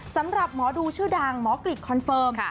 สำหรับหมอดูชื่อดังหมอกริจคอนเฟิร์ม